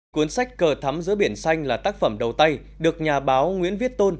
cuốn sách cờ thắm giữa biển xanh là tác phẩm đầu tay được nhà báo nguyễn viết tôn